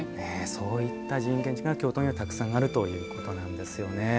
そういった寺院建築が京都には、たくさんあるということなんですよね。